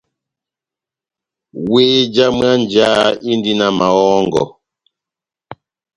Wéh já mwánja indi na mahɔ́ngɔ.